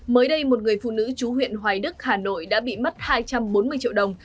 mới đây một người phụ nữ chú huyện hoài đức hà nội đã bị mất hai trăm bốn mươi triệu đồng